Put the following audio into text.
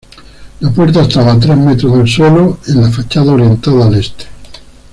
La puerta estaba a tres metros del suelo, en la fachada orientada al Este.